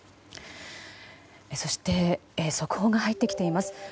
そして速報が入ってきています。